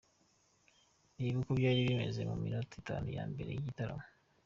Reba uko byari bimeze mu minota itanu ya mbere y'igitaramo.